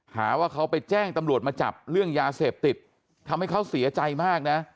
หาว่าเขาไปแจ้งตำรวจมาจับเรื่องยาเสพติดทำให้เขาเสียใจมากนะ